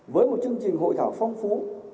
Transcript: với một chương trình hội thảo phong phú